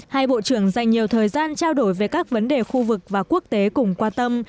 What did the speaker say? hai bộ trưởng dành nhiều thời gian trao đổi về các vấn đề khu vực và quốc tế cùng quan tâm